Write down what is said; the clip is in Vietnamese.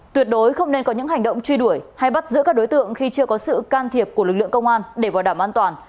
tuyệt đối không nên có những hành động truy đuổi hay bắt giữ các đối tượng khi chưa có sự can thiệp của lực lượng công an để bảo đảm an toàn